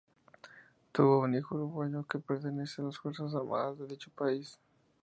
Tuvo un hijo uruguayo que pertenece a las Fuerzas Armadas de dicho país.